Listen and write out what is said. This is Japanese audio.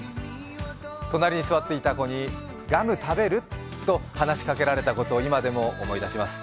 隣に座っていた子にガム食べる？と話しかけられたことを今でも思い出します。